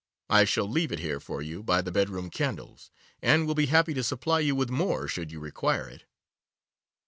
I shall leave it here for you by the bedroom candles, and will be happy to supply you with more should you require it.